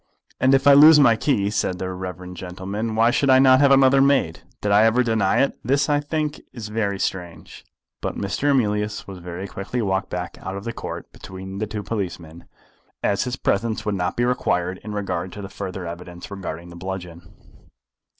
"And if I lose my key," said the reverend gentleman, "why should I not have another made? Did I ever deny it? This, I think, is very strange." But Mr. Emilius was very quickly walked back out of the Court between the two policemen, as his presence would not be required in regard to the further evidence regarding the bludgeon.